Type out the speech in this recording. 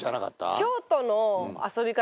京都の遊び方